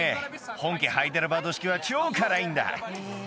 本家ハイデラバード式は超辛いんだ